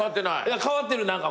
変わってる何かこう。